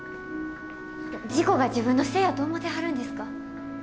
事故が自分のせいやと思てはるんですか？